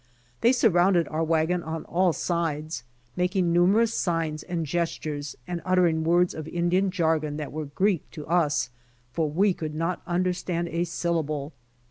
They surrounded our wagon on all sides, making numerous signs and gestures and uttering words of Indian jargon that were Greek to us, for we could not understand a syllable.